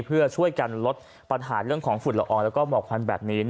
เพื่อช่วยกันลดปัญหาเรื่องของฝุ่นละอองแล้วก็หมอกควันแบบนี้